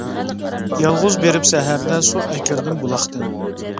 يالغۇز بېرىپ سەھەردە، سۇ ئەكىردىم بولاقتىن.